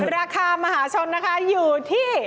ราคามหาชนนะคะอยู่ที่